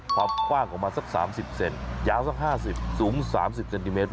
ความกว้างประมาณสัก๓๐เซนยาวสัก๕๐สูง๓๐เซนติเมตร